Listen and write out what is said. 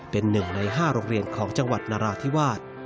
เป็น๑ใน๕โรงเรียนของจังหวัดนราธิวาส